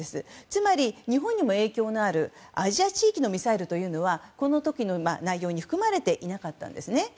つまり、日本にも影響のあるアジア地域のミサイルはこの時の内容に含まれていなかったんですね。